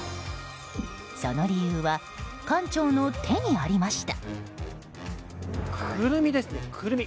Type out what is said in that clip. その理由は館長の手にありました。